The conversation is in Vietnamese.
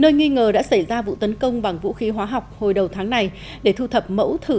nơi nghi ngờ đã xảy ra vụ tấn công bằng vũ khí hóa học hồi đầu tháng này để thu thập mẫu thử